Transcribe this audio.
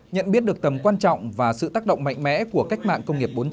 nhận biết được tầm quan trọng và sự tác động mạnh mẽ của cách mạng công nghiệp bốn